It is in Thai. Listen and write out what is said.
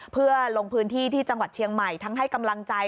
เพื่อลงพื้นที่ที่จังหวัดเชียงใหม่ทั้งให้กำลังใจ